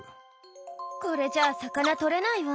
これじゃあ魚とれないわ。